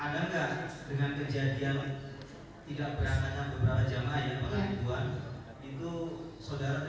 ada gak dengan kejadian tidak berangkatnya beberapa jemaah yang pernah dibuat